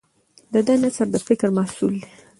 د ده نثر د فکر محصول دی.